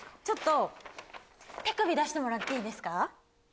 ちょっと手首出してもらっていいですか？